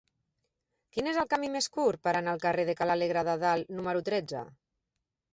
Quin és el camí més curt per anar al carrer de Ca l'Alegre de Dalt número tretze?